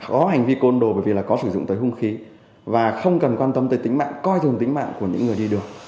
có hành vi côn đồ bởi vì là có sử dụng tới hung khí và không cần quan tâm tới tính mạng coi thường tính mạng của những người đi đường